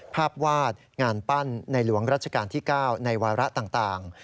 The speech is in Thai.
ภาพวาดงานปั้นในหลวงรัชกาลที่๙ในวาระต่าง